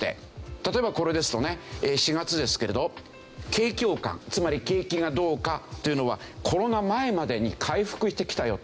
例えばこれですとね４月ですけれど景況感つまり景気がどうかというのはコロナ前までに回復してきたよと。